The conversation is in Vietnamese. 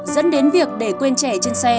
dẫn đến việc để quên trẻ trên xe